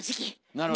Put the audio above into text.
なるほど。